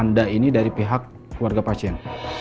anda ini dari pihak keluarga pasien